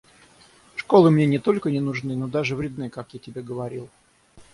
Школы мне не только не нужны, но даже вредны, как я тебе говорил.